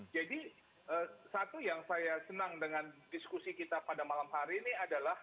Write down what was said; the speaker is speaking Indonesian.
jadi satu yang saya senang dengan diskusi kita pada malam hari ini adalah